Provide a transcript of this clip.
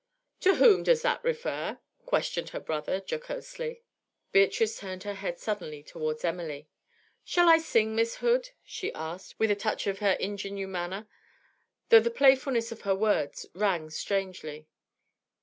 'To whom does that refer?' questioned her brother, jocosely. Beatrice turned her head suddenly towards Emily. 'Shall I sing, Miss Hood?' she asked, with a touch of her ingenue manner, though the playfulness of her words rang strangely.